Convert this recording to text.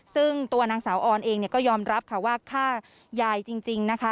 ซึ่งตัวนางสาวออนเองก็ยอมรับค่ะว่าฆ่ายายจริงนะคะ